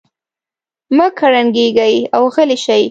مه کړنګېږئ او غلي شئ.